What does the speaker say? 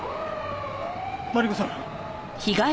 マリコさん。